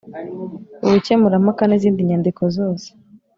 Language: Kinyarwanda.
ubukemurampaka n izindi nyandiko zose